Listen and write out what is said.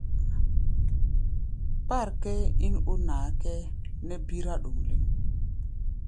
Kpár kʼɛ́ɛ́ ín ó naa kʼɛ́ɛ́ nɛ́ bírá ɗoŋ lɛ́ŋ.